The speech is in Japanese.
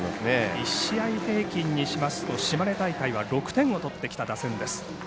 １試合平均にしますと島根大会は６点を取ってきた打線です。